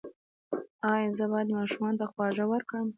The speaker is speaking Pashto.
ایا زه باید ماشوم ته خواږه ورکړم؟